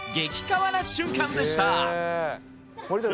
カワな瞬間でした